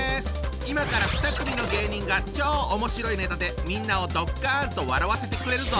今から２組の芸人が超おもしろいネタでみんなをドッカンと笑わせてくれるぞ！